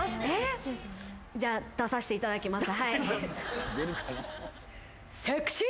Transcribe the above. じゃあ出させていただきます。